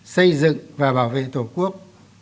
xây dựng và bảo vệ tổ quốc